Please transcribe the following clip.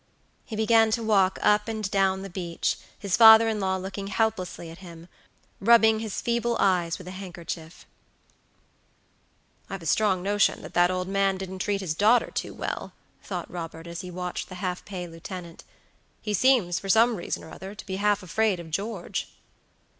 He began to walk up and down the beach, his father in law looking helplessly at him, rubbing his feeble eyes with a handkerchief. "I've a strong notion that that old man didn't treat his daughter too well," thought Robert, as he watched the half pay lieutenant. "He seems, for some reason or other, to be half afraid of George."